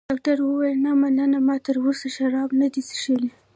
ډاکټر وویل: نه، مننه، ما تراوسه شراب نه دي څښلي.